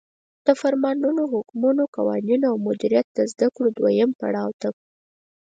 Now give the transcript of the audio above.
د فرمانونو، حکمونو، قوانینو او مدیریت د زدکړو دویم پړاو ته